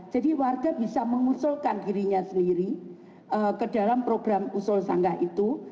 jadi warga bisa mengusulkan dirinya sendiri ke dalam program usol sangga itu